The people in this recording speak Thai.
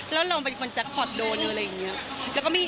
แล้วเราเป็นคนจะขอดโดนอะไรอย่างนี้